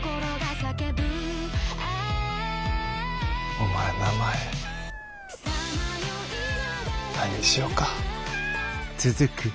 お前名前何にしよか。